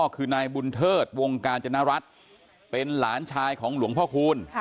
คือนายบุญเทิดวงกาญจนรัฐเป็นหลานชายของหลวงพ่อคูณ